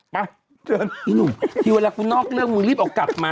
พี่หนุ่มทีวันนี้กูนอกเรื่องกูรีบออกกลับมา